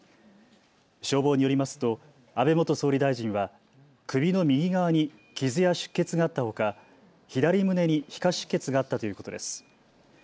消防によりますと安倍元総理大臣は首の右側に傷や出血があったほか左胸に皮下出血があったということです。